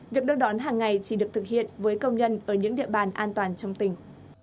việc đưa đón hàng ngày chỉ được thực hiện với công nhân ở những địa bàn an toàn trong tỉnh